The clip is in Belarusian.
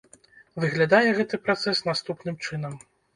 Выглядае гэты працэс наступным чынам.